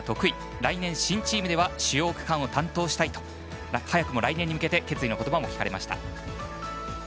来年の新チームでは主要区間を担当したいと早くも来年に向けて決意のことばも聞かれました。